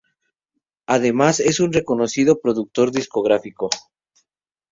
Además, es un reconocido productor discográfico.